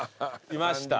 来ました。